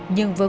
nhưng vừa rồi